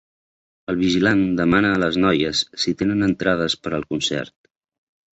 El vigilant demana a les noies si tenen entrades per al concert.